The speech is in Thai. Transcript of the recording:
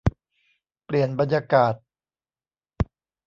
เปลี่ยนบรรยากาศ